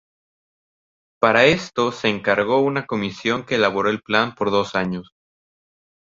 Para esto se encargó una comisión que elaboró el plan por dos años.